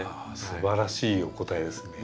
すばらしいお答えですね。